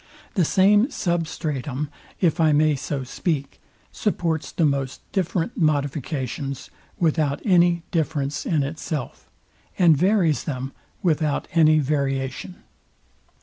The same substratum, if I may so speak, supports the most different modifications, without any difference in itself; and varies them, without any variation.